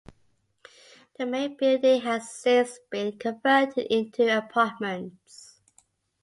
The main building has since been converted into apartments.